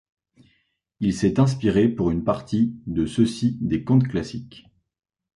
Il s'est inspiré pour une partie de ceux-ci de contes classiques.